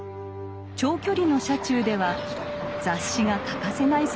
長距離の車中では雑誌が欠かせない存在でした。